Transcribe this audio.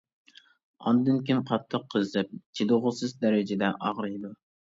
ئاندىن كېيىن قاتتىق قىزىپ، چىدىغۇسىز دەرىجىدە ئاغرىيدۇ.